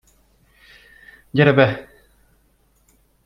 Gyere be.